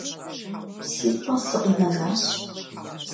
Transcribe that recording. Си пӀэ сыкъинэжащ.